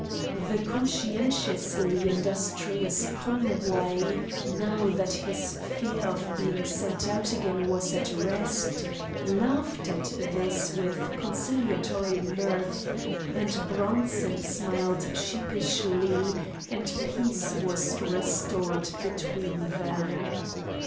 The conscientiously industrious Conway, now that his fear of being sent out again was at rest, laughed at this with conciliatory mirth, and Bronson smiled sheepishly, and peace was restored between them.